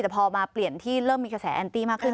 แต่พอมาเปลี่ยนที่เริ่มมีแอลตีแน่มากขึ้น